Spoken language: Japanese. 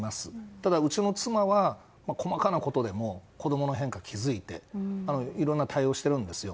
ただ、うちの妻は細かなことでも子供の変化に気づいていろんな対応をしてるんですよ。